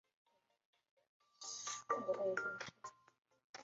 北辰东路将设置隧道南延至奥体商务区。